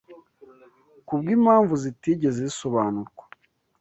Kubwimpamvu zitigeze zisobanurwa